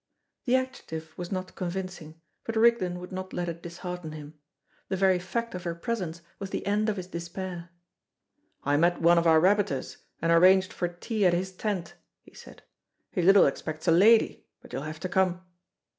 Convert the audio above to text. The adjective was not convincing, but Rigden would not let it dishearten him. The very fact of her presence was the end of his despair. "I met one of our rabbiters, and arranged for tea at his tent," he said. "He little expects a lady, but you'll have to come."